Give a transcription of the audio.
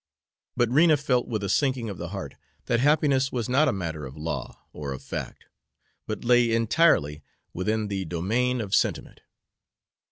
But Rena felt, with a sinking of the heart, that happiness was not a matter of law or of fact, but lay entirely within the domain of sentiment.